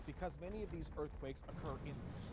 những hình ảnh vừa rồi cũng đã kết thúc